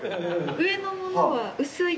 上のものは。